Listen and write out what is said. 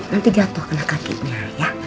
nanti jatuh kena kakinya ya